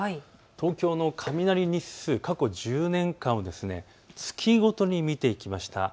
東京の雷日数、過去１０年間を月ごとに見ていきました。